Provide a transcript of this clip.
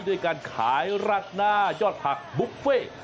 โดยการขายราชนายอดผักบุฟเฟต์